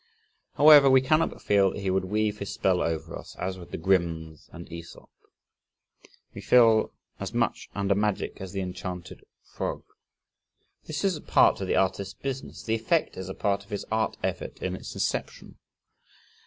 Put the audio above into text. However, we cannot but feel that he would weave his spell over us as would the Grimms and Aesop. We feel as much under magic as the "Enchanted Frog." This is part of the artist's business. The effect is a part of his art effort in its inception.